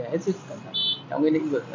hết sức trong những lĩnh vực